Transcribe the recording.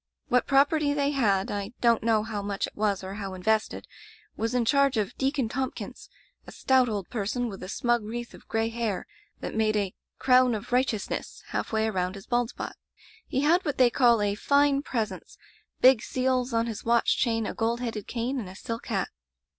"What property they had — I don't know how much it was or how invested — ^was in charge of Deacon Thompkins, a stout old person with a smug wreath of gray hair that made a 'crown of righteousness' half way around his bald spot. He had what they call a 'fine presence,' big seals on his watch chain, a gold headed cane, and a silk hat.